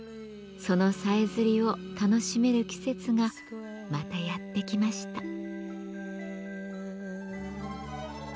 そのさえずりを楽しめる季節がまたやって来ました。